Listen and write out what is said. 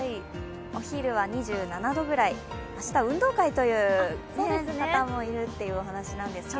お昼は２７度ぐらい、明日、運動会という方もいるというお話なんですが。